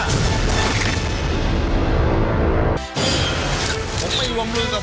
ชีวิตตีแสดหน้า